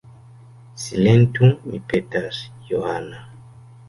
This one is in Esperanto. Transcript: Silentu, mi petas, Johana.